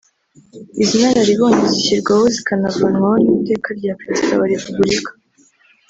Izi nararibonye zishyirwaho zikanavanwaho n’Iteka rya Perezida wa Repuburika